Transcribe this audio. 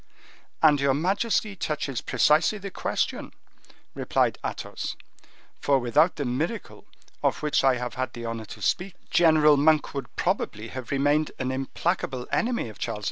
"And your majesty touches precisely the question," replied Athos; "for without the miracle of which I have had the honor to speak, General Monk would probably have remained an implacable enemy of Charles II.